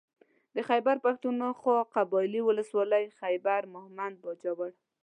د خېبر پښتونخوا قبايلي ولسوالۍ خېبر مهمند باجوړ